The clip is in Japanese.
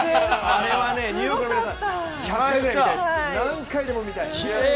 あれは何回でも見たい。